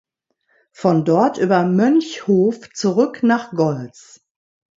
Von dort über Mönchhof zurück nach Gols.